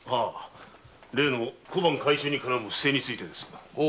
例の小判改鋳に絡む不正についてです。